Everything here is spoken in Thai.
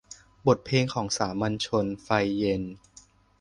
บทเพลงของสามัญชน - ไฟเย็น